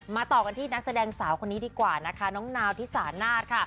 ต่อกันที่นักแสดงสาวคนนี้ดีกว่านะคะน้องนาวที่สานาศค่ะ